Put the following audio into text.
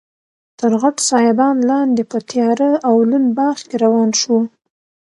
تر غټ سایبان لاندې په تیاره او لوند باغ کې روان شوو.